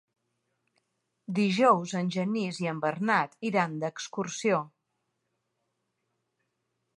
Dijous en Genís i en Bernat iran d'excursió.